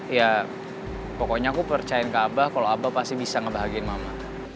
ya pokoknya aku percaya ke abah kalau abah pasti bisa ngebahagiain mama